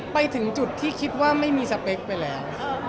ไปถึงจุดที่คิดว่าไม่มีสเปคไปแล้ว